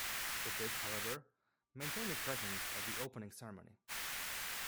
It did, however, maintain a presence at the opening ceremony.